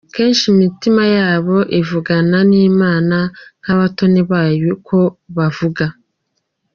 Kenshi imitima yabo ivugana n’Imana nk’abatoni bayo uko bavuga.